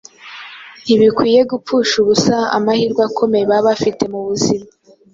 Ntibakwiriye gupfusha ubusa amahirwe akomeye baba bafite mu buzima,